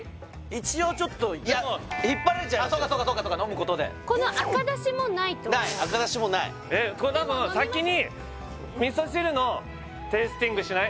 一応ちょっといや引っ張られちゃいますよそうかそうか飲むことでこの赤だしもないと思うない赤だしもない先に味噌汁のテイスティングしない？